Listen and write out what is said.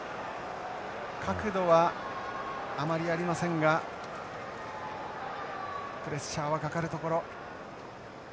角度はあまりありませんがプレッシャーはかかるところ。